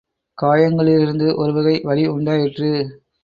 காயங்களிலிருந்து ஒருவகை வலி உண்டாயிற்று.